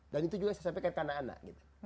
dan itu juga saya sampaikan ke anak anak